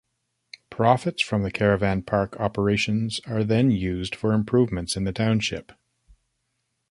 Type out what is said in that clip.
Profits from the caravan park operations are then used for improvements in the township.